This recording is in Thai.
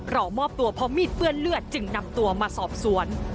รอมอบตัวพร้อมมีดเปื้อนเลือดจึงนำตัวมาสอบสวน